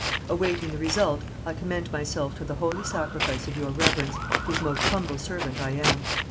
Awaiting the result, I commend myself to the Holy Sacrifice of your Reverence, whose most humble servant I am.